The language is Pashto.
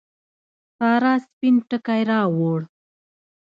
سارا سپين ټکی راووړ.